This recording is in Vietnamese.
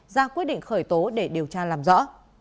ra quyết định khởi tố để điều tra làm rõ